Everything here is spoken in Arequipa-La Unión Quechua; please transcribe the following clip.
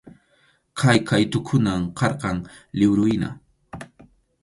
Kay qʼaytukunam karqan liwruhina.